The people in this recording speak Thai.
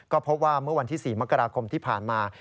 ก็พบว่าเมื่อวันที่๔มกราคมที่ผ่านมา